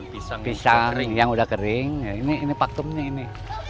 kalau pisang yang udah kering ini paktumnya ini